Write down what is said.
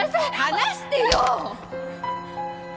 離してよ！